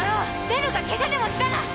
ベルがケガでもしたら。